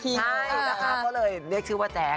ใช่นะคะก็เลยเรียกชื่อว่าแจ๊ค